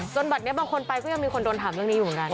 บัตรนี้บางคนไปก็ยังมีคนโดนถามเรื่องนี้อยู่เหมือนกัน